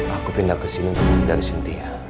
aku pindah ke sini untuk berdiri dari cynthia